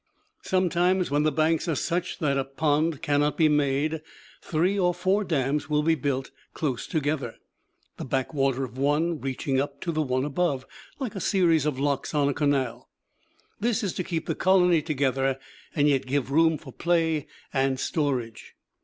Sometimes, when the banks are such that a pond cannot be made, three or four dams will be built close together, the back water of one reaching up to the one above, like a series of locks on a canal. This is to keep the colony together, and yet give room for play and storage.